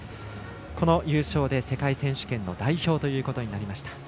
この優勝で世界選手権の代表となりました。